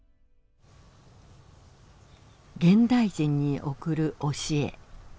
現代人に贈る教え。